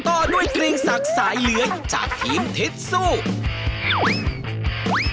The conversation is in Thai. ต่อด้วยกริงสักสายเหลืองจากทีมทิสซู่